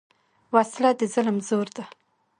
وسله د ظلم زور ده